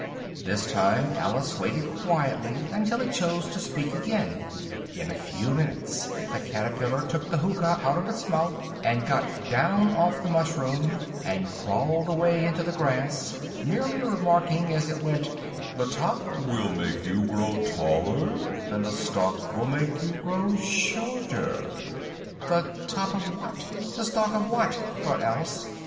This time Alice waited quietly until it chose to speak again: in a few minutes the caterpillar took the hookah out of its mouth, and got down off the mushroom, and crawled away into the grass, merely remarking as it went; "the top will make you grow taller, and the stalk will make you grow shorter." "The top of what? the stalk of what?" thought Alice.